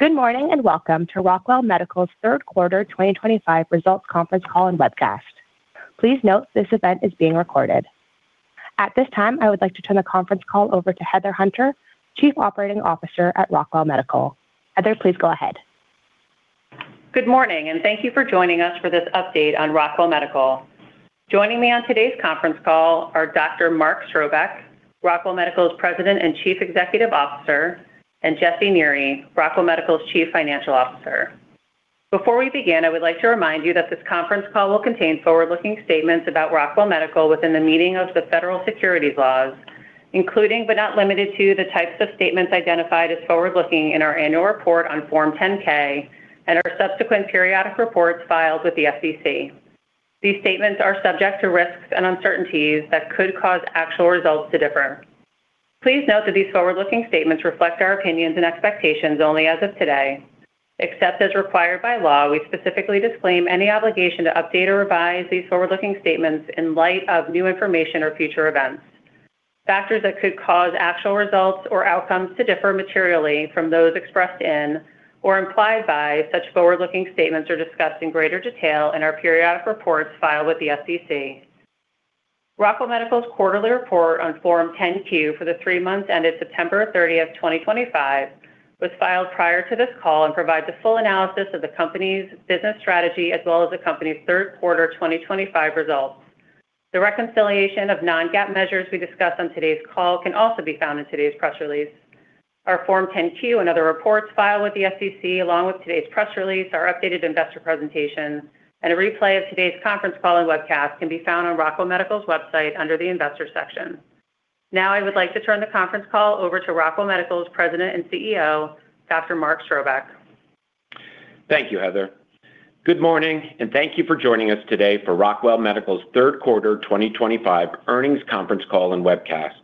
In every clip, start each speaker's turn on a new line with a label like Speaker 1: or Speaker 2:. Speaker 1: Good morning and welcome to Rockwell Medical's Third Quarter 2025 Results Conference Call and Webcast. Please note this event is being recorded. At this time, I would like to turn the conference call over to Heather Hunter, Chief Operating Officer at Rockwell Medical. Heather, please go ahead.
Speaker 2: Good morning and thank you for joining us for this update on Rockwell Medical. Joining me on today's conference call are Dr. Mark Strobeck, Rockwell Medical's President and Chief Executive Officer, and Jesse Neri, Rockwell Medical's Chief Financial Officer. Before we begin, I would like to remind you that this conference call will contain forward-looking statements about Rockwell Medical within the meaning of the federal securities laws, including but not limited to the types of statements identified as forward-looking in our annual report on Form 10-K and our subsequent periodic reports filed with the SEC. These statements are subject to risks and uncertainties that could cause actual results to differ. Please note that these forward-looking statements reflect our opinions and expectations only as of today. Except as required by law, we specifically disclaim any obligation to update or revise these forward-looking statements in light of new information or future events. Factors that could cause actual results or outcomes to differ materially from those expressed in or implied by such forward-looking statements are discussed in greater detail in our periodic reports filed with the SEC. Rockwell Medical's quarterly report on Form 10-Q for the three months ended September 30, 2025, was filed prior to this call and provides a full analysis of the company's business strategy as well as the company's third quarter 2025 results. The reconciliation of non-GAAP measures we discussed on today's call can also be found in today's press release. Our Form 10-Q and other reports filed with the SEC, along with today's press release, our updated investor presentation, and a replay of today's conference call and webcast can be found on Rockwell Medical's website under the Investor section. Now, I would like to turn the conference call over to Rockwell Medical's President and CEO, Dr. Mark Strobeck.
Speaker 3: Thank you, Heather. Good morning and thank you for joining us today for Rockwell Medical's third quarter 2025 earnings conference call and webcast.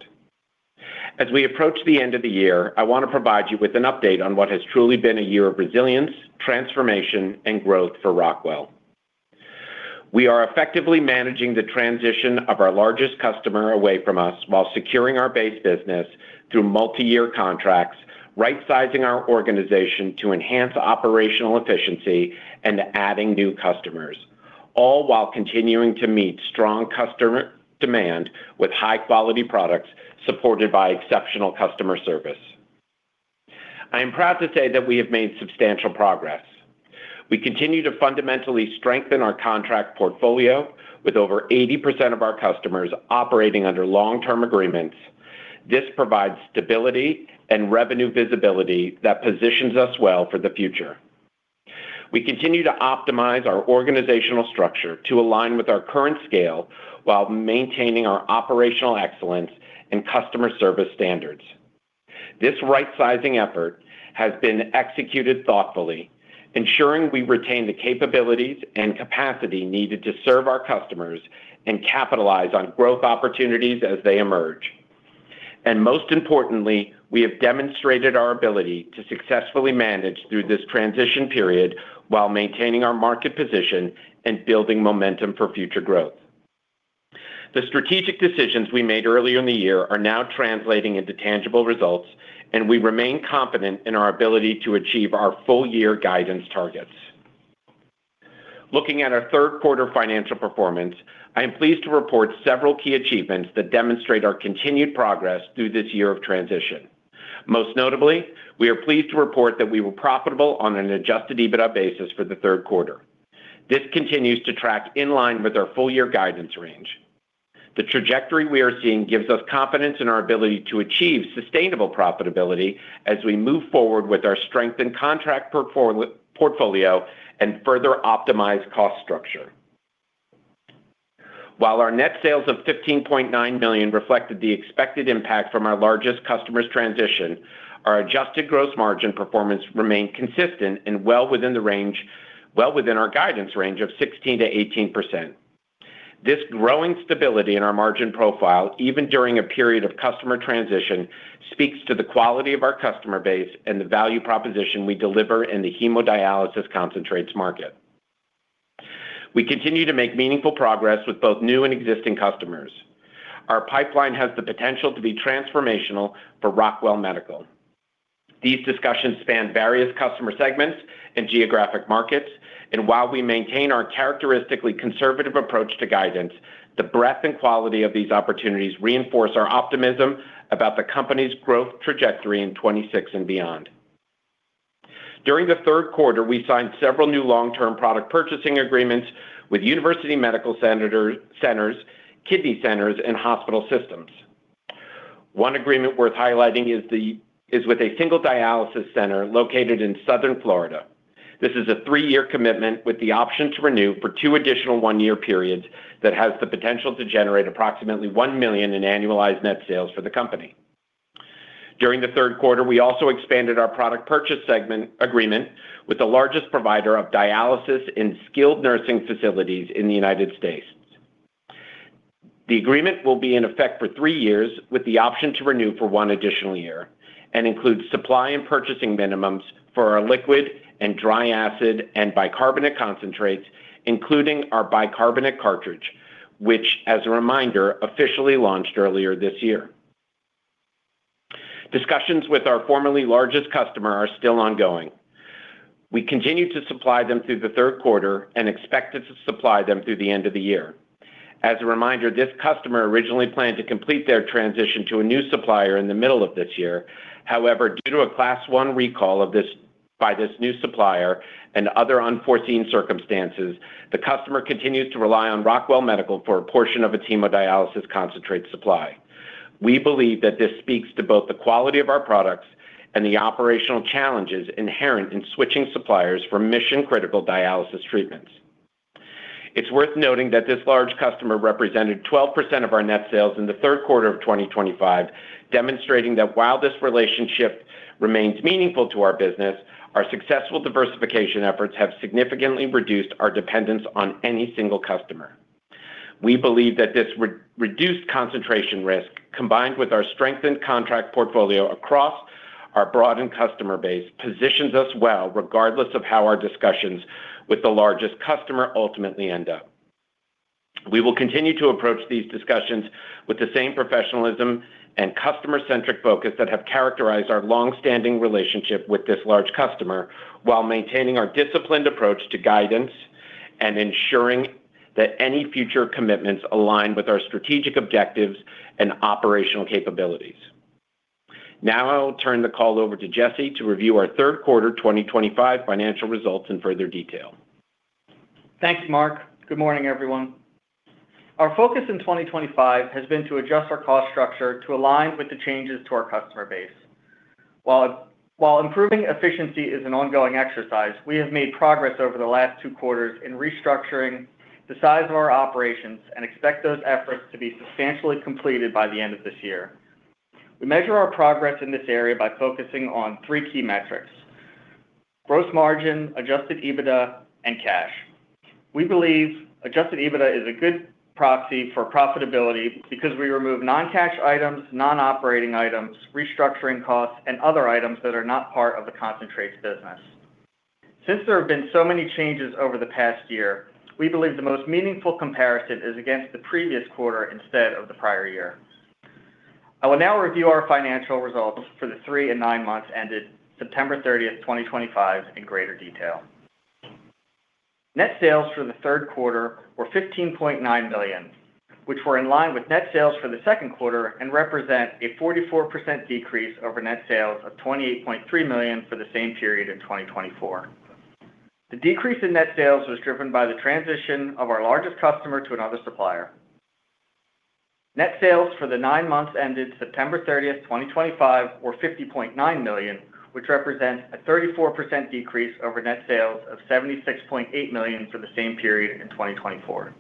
Speaker 3: As we approach the end of the year, I want to provide you with an update on what has truly been a year of resilience, transformation, and growth for Rockwell. We are effectively managing the transition of our largest customer away from us while securing our base business through multi-year contracts, right-sizing our organization to enhance operational efficiency, and adding new customers, all while continuing to meet strong customer demand with high-quality products supported by exceptional customer service. I am proud to say that we have made substantial progress. We continue to fundamentally strengthen our contract portfolio with over 80% of our customers operating under long-term agreements. This provides stability and revenue visibility that positions us well for the future. We continue to optimize our organizational structure to align with our current scale while maintaining our operational excellence and customer service standards. This right-sizing effort has been executed thoughtfully, ensuring we retain the capabilities and capacity needed to serve our customers and capitalize on growth opportunities as they emerge. Most importantly, we have demonstrated our ability to successfully manage through this transition period while maintaining our market position and building momentum for future growth. The strategic decisions we made earlier in the year are now translating into tangible results, and we remain confident in our ability to achieve our full-year guidance targets. Looking at our third quarter financial performance, I am pleased to report several key achievements that demonstrate our continued progress through this year of transition. Most notably, we are pleased to report that we were profitable on an Adjusted EBITDA basis for the third quarter. This continues to track in line with our full-year guidance range. The trajectory we are seeing gives us confidence in our ability to achieve sustainable profitability as we move forward with our strengthened contract portfolio and further optimize cost structure. While our net sales of $15.9 million reflected the expected impact from our largest customer's transition, our adjusted gross margin performance remained consistent and well within the guidance range of 16%-18%. This growing stability in our margin profile, even during a period of customer transition, speaks to the quality of our customer base and the value proposition we deliver in the hemodialysis concentrates market. We continue to make meaningful progress with both new and existing customers. Our pipeline has the potential to be transformational for Rockwell Medical. These discussions span various customer segments and geographic markets, and while we maintain our characteristically conservative approach to guidance, the breadth and quality of these opportunities reinforce our optimism about the company's growth trajectory in 2026 and beyond. During the third quarter, we signed several new long-term product purchasing agreements with university medical centers, kidney centers, and hospital systems. One agreement worth highlighting is with a single dialysis center located in Southern Florida. This is a three-year commitment with the option to renew for two additional one-year periods that has the potential to generate approximately $1 million in annualized net sales for the company. During the third quarter, we also expanded our product purchase agreement with the largest provider of dialysis in skilled nursing facilities in the United States. The agreement will be in effect for three years with the option to renew for one additional year and includes supply and purchasing minimums for our liquid and dry acid and bicarbonate concentrates, including our bicarbonate cartridge, which, as a reminder, officially launched earlier this year. Discussions with our formerly largest customer are still ongoing. We continue to supply them through the third quarter and expect to supply them through the end of the year. As a reminder, this customer originally planned to complete their transition to a new supplier in the middle of this year. However, due to a Class 1 recall by this new supplier and other unforeseen circumstances, the customer continues to rely on Rockwell Medical for a portion of its hemodialysis concentrate supply. We believe that this speaks to both the quality of our products and the operational challenges inherent in switching suppliers for mission-critical dialysis treatments. It's worth noting that this large customer represented 12% of our net sales in the third quarter of 2025, demonstrating that while this relationship remains meaningful to our business, our successful diversification efforts have significantly reduced our dependence on any single customer. We believe that this reduced concentration risk, combined with our strengthened contract portfolio across our broadened customer base, positions us well regardless of how our discussions with the largest customer ultimately end up. We will continue to approach these discussions with the same professionalism and customer-centric focus that have characterized our long-standing relationship with this large customer, while maintaining our disciplined approach to guidance and ensuring that any future commitments align with our strategic objectives and operational capabilities. Now, I'll turn the call over to Jesse to review our third quarter 2025 financial results in further detail.
Speaker 4: Thanks, Mark. Good morning, everyone. Our focus in 2025 has been to adjust our cost structure to align with the changes to our customer base. While improving efficiency is an ongoing exercise, we have made progress over the last two quarters in restructuring the size of our operations and expect those efforts to be substantially completed by the end of this year. We measure our progress in this area by focusing on three key metrics gross margin, Adjusted EBITDA, and cash. We believe Adjusted EBITDA is a good proxy for profitability because we remove non-cash items, non-operating items, restructuring costs, and other items that are not part of the concentrates business. Since there have been so many changes over the past year, we believe the most meaningful comparison is against the previous quarter instead of the prior year. I will now review our financial results for the three and nine months ended September 30, 2025, in greater detail. Net sales for the third quarter were $15.9 million, which were in line with net sales for the second quarter and represent a 44% decrease over net sales of $28.3 million for the same period in 2024. The decrease in net sales was driven by the transition of our largest customer to another supplier. Net sales for the nine months ended September 30, 2025, were $50.9 million, which represents a 34% decrease over net sales of $76.8 million for the same period in 2024.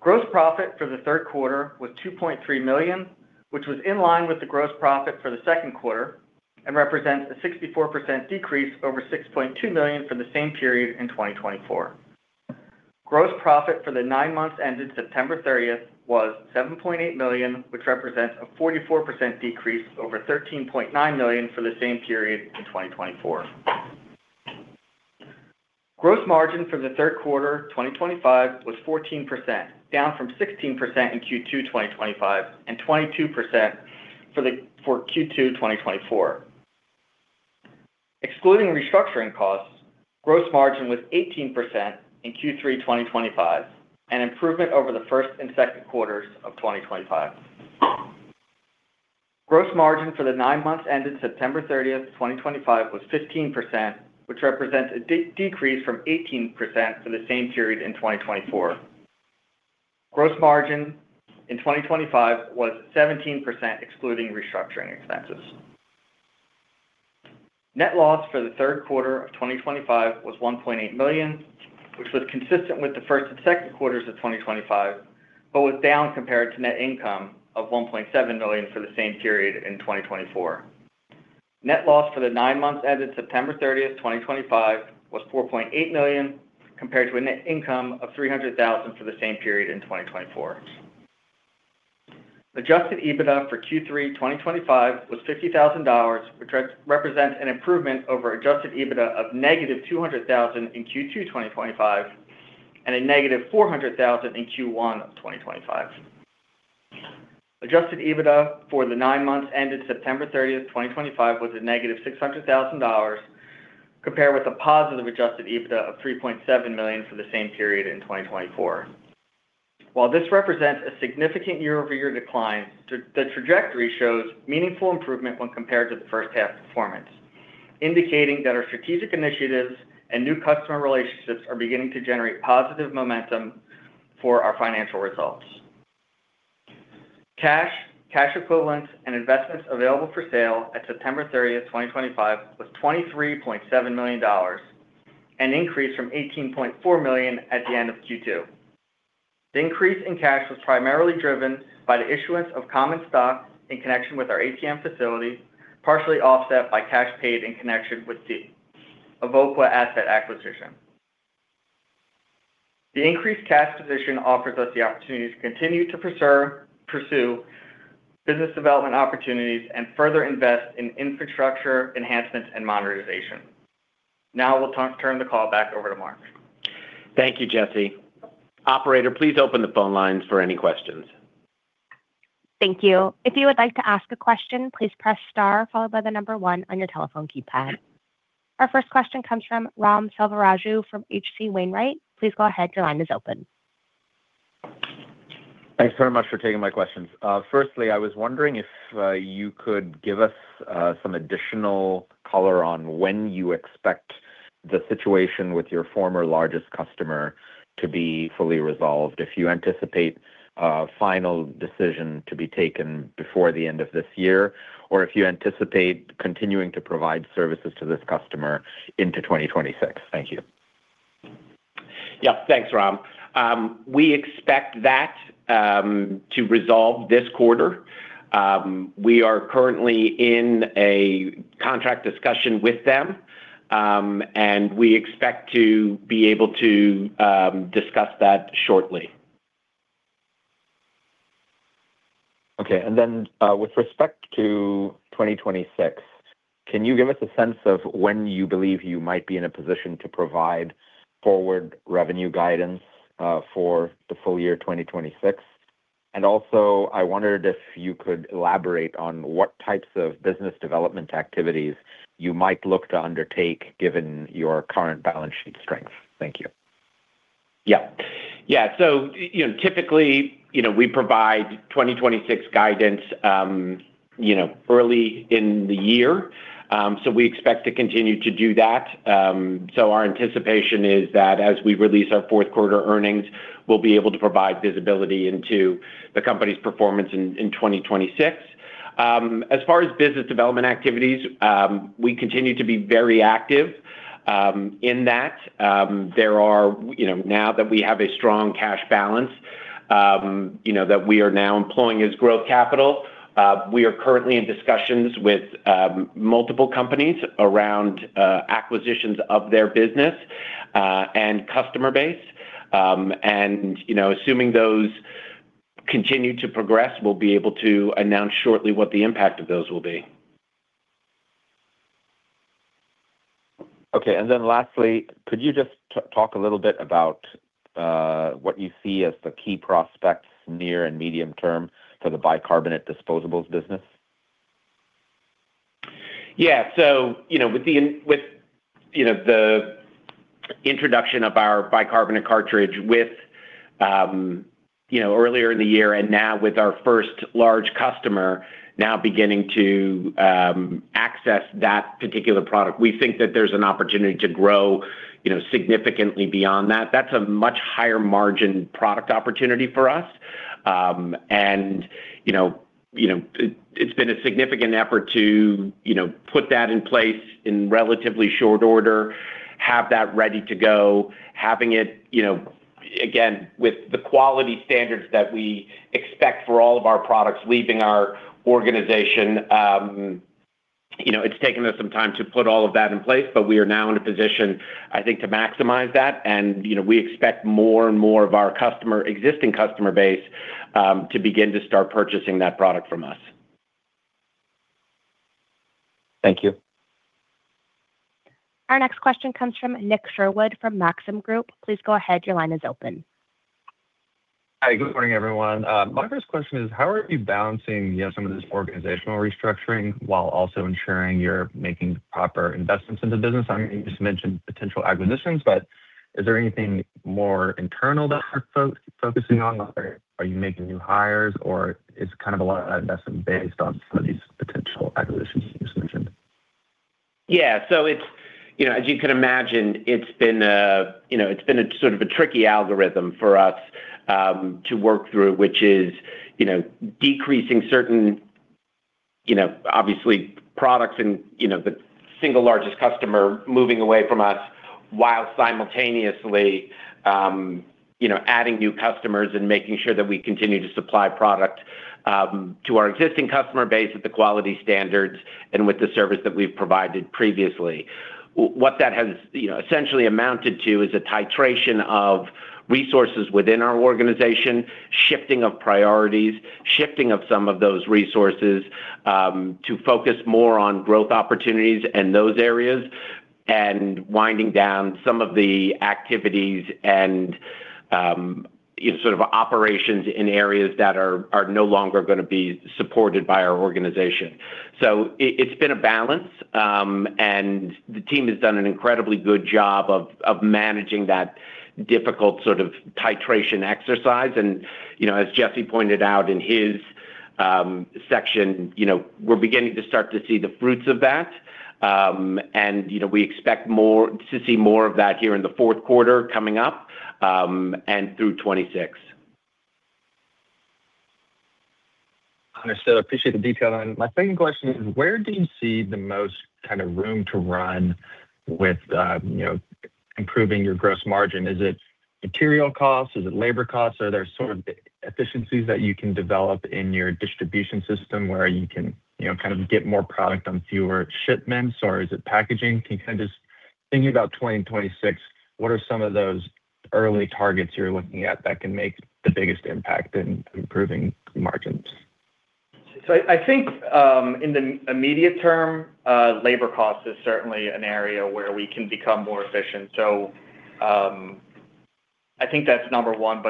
Speaker 4: Gross profit for the third quarter was $2.3 million, which was in line with the gross profit for the second quarter and represents a 64% decrease over $6.2 million for the same period in 2024. Gross profit for the nine months ended September 30 was $7.8 million, which represents a 44% decrease over $13.9 million for the same period in 2024. Gross margin for the third quarter 2025 was 14%, down from 16% in Q2 2025 and 22% for Q2 2024. Excluding restructuring costs, gross margin was 18% in Q3 2025, an improvement over the first and second quarters of 2025. Gross margin for the nine months ended September 30, 2025, was 15%, which represents a decrease from 18% for the same period in 2024. Gross margin in 2025 was 17%, excluding restructuring expenses. Net loss for the third quarter of 2025 was $1.8 million, which was consistent with the first and second quarters of 2025, but was down compared to net income of $1.7 million for the same period in 2024. Net loss for the nine months ended September 30, 2025, was $4.8 million compared to a net income of $300,000 for the same period in 2024. Adjusted EBITDA for Q3 2025 was $50,000, which represents an improvement over Adjusted EBITDA of negative $200,000 in Q2 2025 and a negative $400,000 in Q1 2025. Adjusted EBITDA for the nine months ended September 30, 2025, was a negative $600,000 compared with a positive Adjusted EBITDA of $3.7 million for the same period in 2024. While this represents a significant year-over-year decline, the trajectory shows meaningful improvement when compared to the first-half performance, indicating that our strategic initiatives and new customer relationships are beginning to generate positive momentum for our financial results. Cash, cash equivalents, and investments available for sale at September 30, 2025, was $23.7 million, an increase from $18.4 million at the end of Q2. The increase in cash was primarily driven by the issuance of common stock in connection with our ATM facility, partially offset by cash paid in connection with CETA, Avoca Asset Acquisition. The increased cash position offers us the opportunity to continue to pursue business development opportunities and further invest in infrastructure enhancements and monetization. Now, I will turn the call back over to Mark.
Speaker 3: Thank you, Jesse. Operator, please open the phone lines for any questions.
Speaker 1: Thank you. If you would like to ask a question, please press star followed by the number one on your telephone keypad. Our first question comes from Ram Selvaraju from H.C. Wainwright. Please go ahead. Your line is open.
Speaker 5: Thanks very much for taking my questions. Firstly, I was wondering if you could give us some additional color on when you expect the situation with your former largest customer to be fully resolved, if you anticipate a final decision to be taken before the end of this year, or if you anticipate continuing to provide services to this customer into 2026. Thank you.
Speaker 3: Yeah. Thanks, Ram. We expect that to resolve this quarter. We are currently in a contract discussion with them, and we expect to be able to discuss that shortly.
Speaker 5: Okay. With respect to 2026, can you give us a sense of when you believe you might be in a position to provide forward revenue guidance for the full year 2026? I wondered if you could elaborate on what types of business development activities you might look to undertake given your current balance sheet strength. Thank you.
Speaker 3: Yeah. Yeah. Typically, we provide 2026 guidance early in the year, so we expect to continue to do that. Our anticipation is that as we release our fourth quarter earnings, we'll be able to provide visibility into the company's performance in 2026. As far as business development activities, we continue to be very active in that. Now that we have a strong cash balance that we are now employing as growth capital, we are currently in discussions with multiple companies around acquisitions of their business and customer base. Assuming those continue to progress, we'll be able to announce shortly what the impact of those will be.
Speaker 5: Okay. Lastly, could you just talk a little bit about what you see as the key prospects near and medium term for the bicarbonate disposables business?
Speaker 3: Yeah. With the introduction of our bicarbonate cartridge earlier in the year and now with our first large customer now beginning to access that particular product, we think that there's an opportunity to grow significantly beyond that. That's a much higher margin product opportunity for us. It's been a significant effort to put that in place in relatively short order, have that ready to go, having it, again, with the quality standards that we expect for all of our products leaving our organization. It's taken us some time to put all of that in place, but we are now in a position, I think, to maximize that. We expect more and more of our existing customer base to begin to start purchasing that product from us.
Speaker 5: Thank you.
Speaker 1: Our next question comes from Nick Sherwood from Maxim Group. Please go ahead. Your line is open.
Speaker 6: Hi. Good morning, everyone. My first question is, how are you balancing some of this organizational restructuring while also ensuring you're making proper investments into the business? I mean, you just mentioned potential acquisitions, but is there anything more internal that you're focusing on? Are you making new hires, or is kind of a lot of that investment based on some of these potential acquisitions you just mentioned?
Speaker 3: Yeah. As you can imagine, it's been sort of a tricky algorithm for us to work through, which is decreasing certain, obviously, products and the single largest customer moving away from us while simultaneously adding new customers and making sure that we continue to supply product to our existing customer base at the quality standards and with the service that we've provided previously. What that has essentially amounted to is a titration of resources within our organization, shifting of priorities, shifting of some of those resources to focus more on growth opportunities in those areas, and winding down some of the activities and sort of operations in areas that are no longer going to be supported by our organization. It's been a balance, and the team has done an incredibly good job of managing that difficult sort of titration exercise. As Jesse pointed out in his section, we're beginning to start to see the fruits of that, and we expect to see more of that here in the fourth quarter coming up and through 2026.
Speaker 6: Understood. Appreciate the detail. My second question is, where do you see the most kind of room to run with improving your gross margin? Is it material costs? Is it labor costs? Are there sort of efficiencies that you can develop in your distribution system where you can kind of get more product on fewer shipments, or is it packaging? Can you kind of just thinking about 2026, what are some of those early targets you're looking at that can make the biggest impact in improving margins?
Speaker 4: I think in the immediate term, labor costs is certainly an area where we can become more efficient. I think that's number one.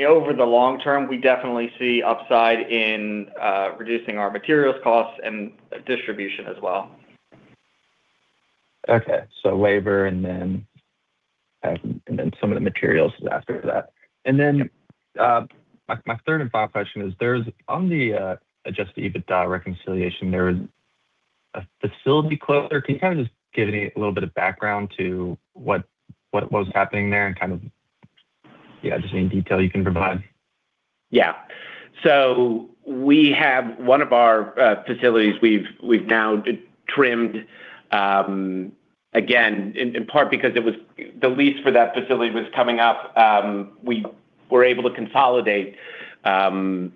Speaker 4: Over the long term, we definitely see upside in reducing our materials costs and distribution as well.
Speaker 6: Okay. Labor and then some of the materials after that. My third and final question is, on the adjusted EBITDA reconciliation, there was a facility closure. Can you kind of just give me a little bit of background to what was happening there and, yeah, just any detail you can provide?
Speaker 3: Yeah. So one of our facilities, we've now trimmed, again, in part because the lease for that facility was coming up. We were able to consolidate our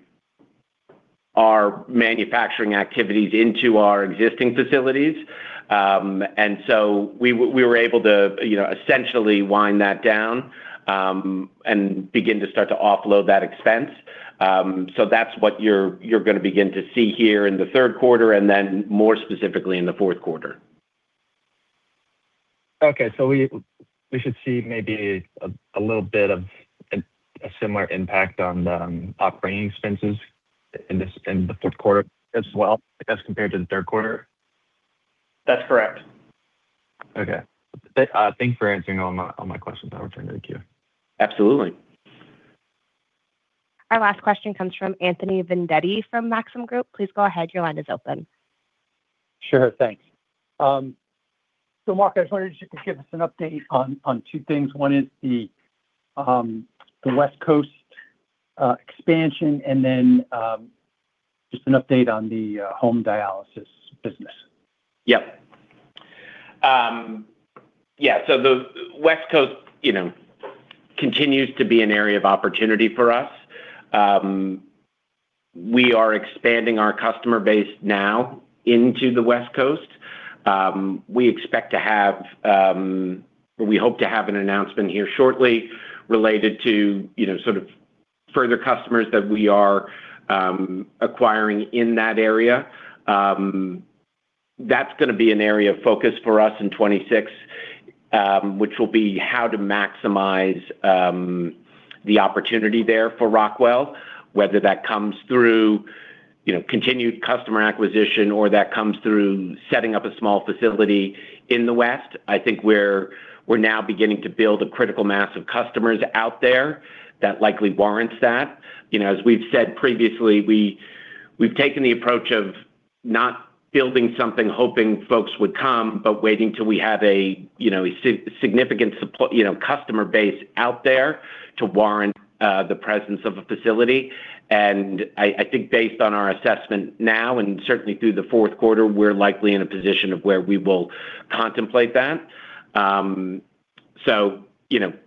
Speaker 3: manufacturing activities into our existing facilities. We were able to essentially wind that down and begin to start to offload that expense. That's what you're going to begin to see here in the third quarter and then more specifically in the fourth quarter.
Speaker 6: Okay. So we should see maybe a little bit of a similar impact on the operating expenses in the fourth quarter as well as compared to the third quarter?
Speaker 4: That's correct.
Speaker 6: Okay. Thanks for answering all my questions. I will turn it to you.
Speaker 3: Absolutely.
Speaker 1: Our last question comes from Anthony Vendetti from Maxim Group. Please go ahead. Your line is open.
Speaker 7: Sure. Thanks. Mark, I just wanted you to give us an update on two things. One is the West Coast expansion and then just an update on the home dialysis business.
Speaker 3: Yeah. Yeah. The West Coast continues to be an area of opportunity for us. We are expanding our customer base now into the West Coast. We expect to have or we hope to have an announcement here shortly related to sort of further customers that we are acquiring in that area. That is going to be an area of focus for us in 2026, which will be how to maximize the opportunity there for Rockwell, whether that comes through continued customer acquisition or that comes through setting up a small facility in the West. I think we are now beginning to build a critical mass of customers out there that likely warrants that. As we have said previously, we have taken the approach of not building something hoping folks would come, but waiting till we have a significant customer base out there to warrant the presence of a facility. I think based on our assessment now and certainly through the fourth quarter, we're likely in a position of where we will contemplate that.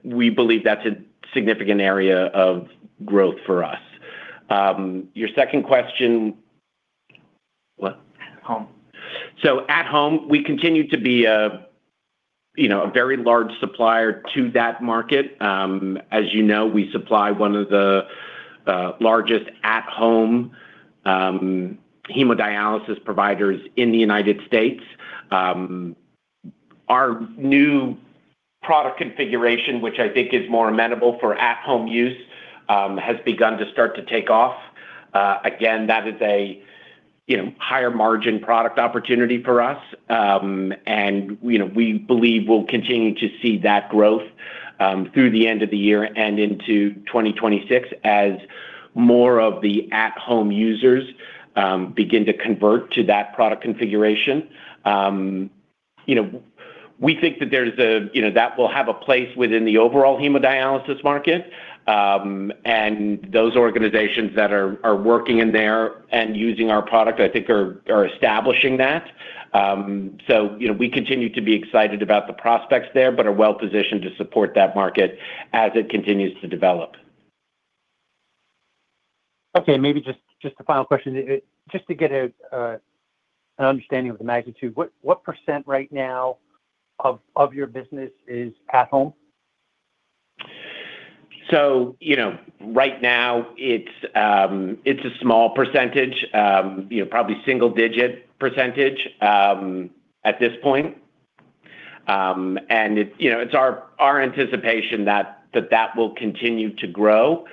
Speaker 3: We believe that's a significant area of growth for us. Your second question, what?
Speaker 7: At-home.
Speaker 3: At-home, we continue to be a very large supplier to that market. As you know, we supply one of the largest at-home hemodialysis providers in the United States. Our new product configuration, which I think is more amenable for at-Home use, has begun to start to take off. Again, that is a higher margin product opportunity for us. We believe we'll continue to see that growth through the end of the year and into 2026 as more of the at-home users begin to convert to that product configuration. We think that will have a place within the overall hemodialysis market. Those organizations that are working in there and using our product, I think, are establishing that. We continue to be excited about the prospects there, but are well-positioned to support that market as it continues to develop.
Speaker 7: Okay. Maybe just a final question. Just to get an understanding of the magnitude, what percent right now of your business is at-home?
Speaker 3: Right now, it's a small percentage, probably single-digit percentage at this point. It's our anticipation that that will continue to grow.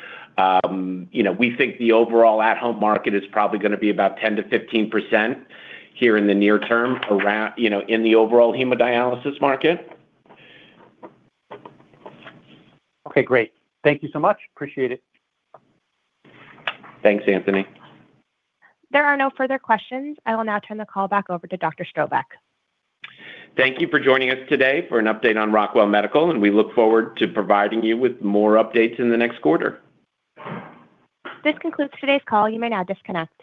Speaker 3: We think the overall at-home market is probably going to be about 10%-15% here in the near term in the overall hemodialysis market.
Speaker 7: Okay. Great. Thank you so much. Appreciate it.
Speaker 3: Thanks, Anthony.
Speaker 1: There are no further questions. I will now turn the call back over to Dr. Strobeck.
Speaker 3: Thank you for joining us today for an update on Rockwell Medical, and we look forward to providing you with more updates in the next quarter.
Speaker 1: This concludes today's call. You may now disconnect.